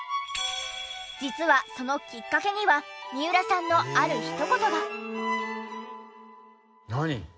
実はそのきっかけには三浦さんのあるひと言が。